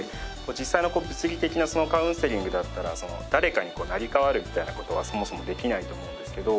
実際の物理的なカウンセリングだったら誰かに成り代わるみたいな事はそもそもできないと思うんですけど。